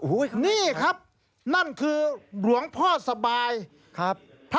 อุ๊ยข้างนี้ครับนี่ครับนั่นคือหลวงพ่อสบายครับครับ